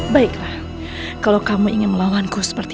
jangan berpikir pikir sendiri